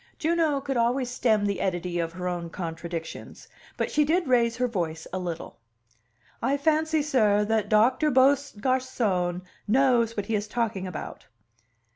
Juno could always stem the eddy of her own contradictions but she did raise her voice a little. "I fancy, sir, that Doctor Beaugarcon knows what he is talking about."